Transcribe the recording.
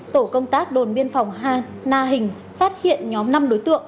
tổ công tác đồn biên phòng ha hình phát hiện nhóm năm đối tượng